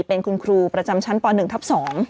เป็นคุณครูประจำชั้นป๑ทับ๒